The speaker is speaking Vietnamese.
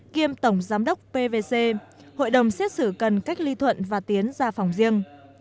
kiêm tổng giám đốc pvc hội đồng xét xử cần cách ly thuận và tiến ra phòng riêng